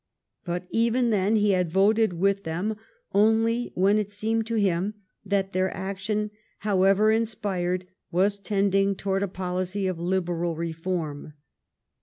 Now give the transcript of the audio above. But even then he had voted with them only when it seemed to him that their action, however inspired, was tending towards a policy of Liberal reform.